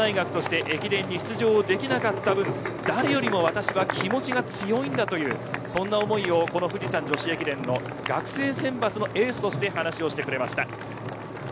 松山大学として駅伝に出場できなかった分誰よりも私は気持ちが強いんだというそんな思いをこの富士山女子駅伝の学生選抜のエースとして話してくれました。